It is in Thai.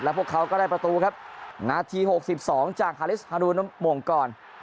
พวกเขาก็ได้ประตูครับนาที๖๒จากฮาลิสฮารูนมงกร